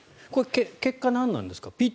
結果、何なんですか？